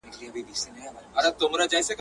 نن چي مي له دار سره زنګېږم ته به نه ژاړې.